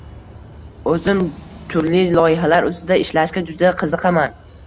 O‘zim turli loyihalar ustida ishlashga juda qiziqaman.